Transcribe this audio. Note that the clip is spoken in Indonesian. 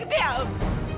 iblis tau nggak kamu